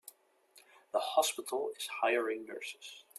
The hospital is hiring nurses.